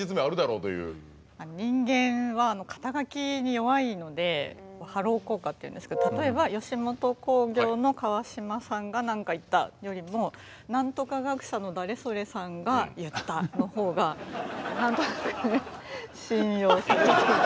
人間は肩書に弱いのでハロー効果っていうんですけど例えば吉本興業の川島さんが何か言ったよりも何とか学者の誰それさんが言ったのほうが何となく信用される。